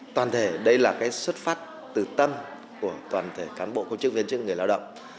toàn thể đây là cái xuất phát từ tâm của toàn thể cán bộ công chức viên chức người lao động